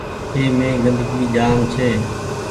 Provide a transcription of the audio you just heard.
اي مين گندگي جآم ڇي۔